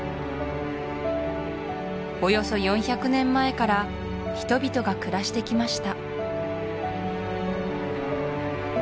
およそ４００年前から人々が暮らしてきました